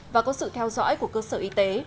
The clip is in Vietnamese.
và có sự theo dõi của cơ sở y tế